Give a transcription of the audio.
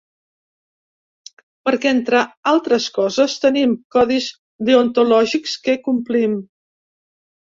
Perquè entre altres coses tenim codis deontològics que complim.